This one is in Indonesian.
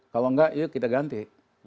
kalau enggak yuk kita ganti